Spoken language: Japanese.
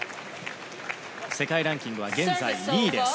世界ランキングは現在２位です。